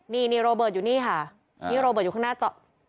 นี่นี่โรเบิร์ตอยู่นี่ค่ะนี่โรเบิร์ตอยู่ข้างหน้าจอ